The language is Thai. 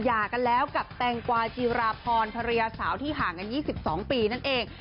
หย่ากันแล้วกับแตงกวาจีราพรภรรยาสาวที่ห่างกัน๒๒ปีนั่นเอง